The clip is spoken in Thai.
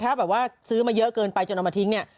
ถ้าแบบว่าซื้อมาเยอะเกินไปจนเอามาทิ้งเนี่ย